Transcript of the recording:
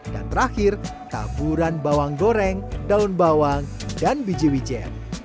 dan terakhir taburan bawang goreng daun bawang dan biji wijen